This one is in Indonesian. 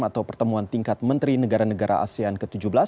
atau pertemuan tingkat menteri negara negara asean ke tujuh belas